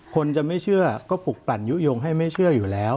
คนจะไม่เชื่อก็ปลุกปั่นยุโยงให้ไม่เชื่ออยู่แล้ว